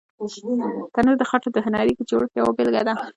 تنور د خټو د هنري جوړښت یوه بېلګه ده